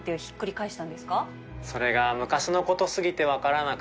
それが昔のことすぎて分からなくて。